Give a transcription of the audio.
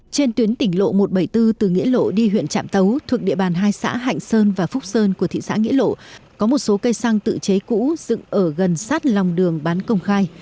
trên tuyến tỉnh lộ một trăm bảy mươi bốn từ nghĩa lộ đi huyện trạm tấu thuộc địa bàn hai xã hạnh sơn và phúc sơn của thị xã nghĩa lộ có một số cây xăng tự chế cũ dựng ở gần sát lòng đường bán công khai